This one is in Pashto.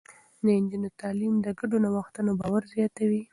د نجونو تعليم د ګډو نوښتونو باور زياتوي.